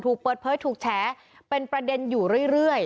ถูกเปิดเผยถูกแฉเป็นประเด็นอยู่เรื่อย